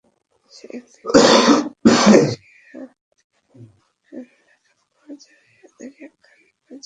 সে একদিন অন্তঃপুরে আসিয়া কিরণলেখার পা জড়াইয়া ধরিয়া কান্না জুড়িয়া দিল।